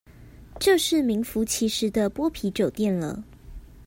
就是名符其實的剝皮酒店了